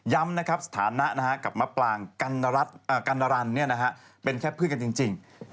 ย้ำสถานะกลับมาปลางกันรันเป็นแค่พื้นกันจริง